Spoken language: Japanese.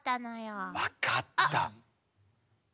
分かった。